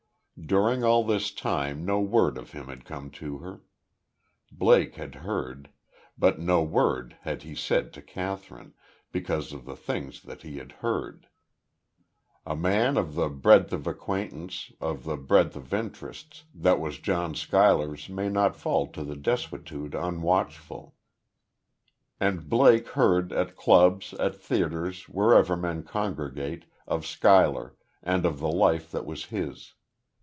During all this time no word of him had come to her. Blake had heard. But no word had he said to Kathryn, because of the things that he had heard. A man of the breadth of acquaintance, of the breadth of interests, that was John Schuyler's may not fall to desuetude unwatchful. And Blake heard, at clubs, at theatres, wherever men congregate, of Schuyler, and of the life that was his.